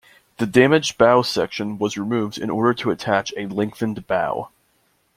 The damaged bow section was removed in order to attach a lengthened bow.